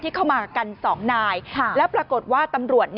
เข้ามากัน๒นายแล้วปรากฏว่าตำรวจ